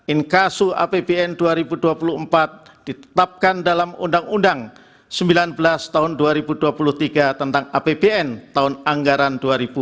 inkasu apbn dua ribu dua puluh empat ditetapkan dalam undang undang sembilan belas tahun dua ribu dua puluh tiga tentang apbn tahun anggaran dua ribu dua puluh